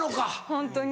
ホントに。